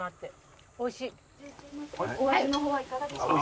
お味の方はいかがでしょう？